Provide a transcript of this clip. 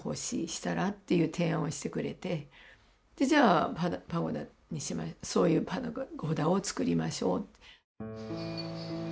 したら？っていう提案をしてくれてじゃあパゴダにしましょうそういうパゴダをつくりましょうって。